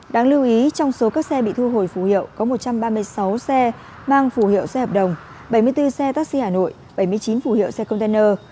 đáng lưu ý trong số các xe bị thu hồi phù hiệu có một trăm ba mươi sáu xe mang phủ hiệu xe hợp đồng bảy mươi bốn xe taxi hà nội bảy mươi chín phủ hiệu xe container